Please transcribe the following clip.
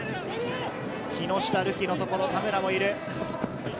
木下瑠己のところ、田村もいる。